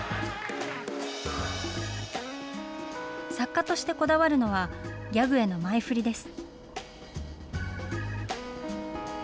作家としてこだわるのは、ギャグへの前振りです。